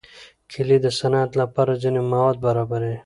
کلي د صنعت لپاره ځینې مواد برابروي.